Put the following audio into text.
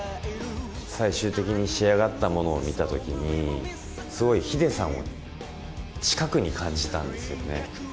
最終的に仕上がったものを見たときに、すごいｈｉｄｅさんを近くに感じたんですよね。